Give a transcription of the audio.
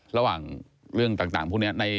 ระหว่างเรื่องต่างพวกนี้